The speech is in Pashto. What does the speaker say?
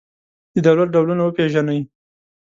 د دولت ډولونه وپېژنئ.